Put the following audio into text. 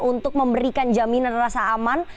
untuk memberikan jaminan rasa aman